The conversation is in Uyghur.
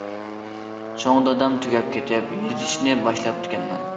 چوڭ دادام تۈگەپ كېتىپ يېزىشنى باشلاپتىكەنمەن.